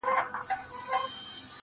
ما يې اوږده غمونه لنډي خوښۍ نه غوښتې